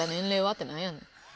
ってなんやねん。